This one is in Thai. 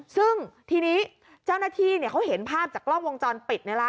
ซึ่งทีนี้เจ้าหน้าที่เขาเห็นภาพจากกล้องวงจรปิด